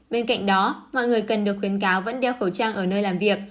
bên cạnh đó mọi người cần được khuyến cáo vẫn đeo khẩu trang ở nơi làm việc